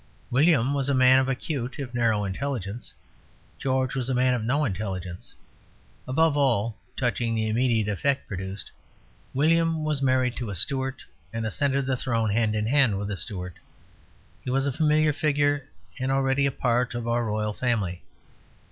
William was a man of acute if narrow intelligence; George was a man of no intelligence. Above all, touching the immediate effect produced, William was married to a Stuart, and ascended the throne hand in hand with a Stuart; he was a familiar figure, and already a part of our royal family.